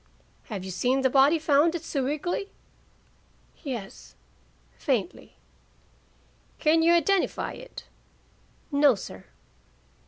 "Have you seen the body found at Sewickley?" "Yes" faintly. "Can you identify it?" "No, sir."